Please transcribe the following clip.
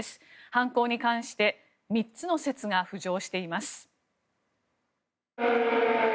犯行に関して３つの説が浮上しています。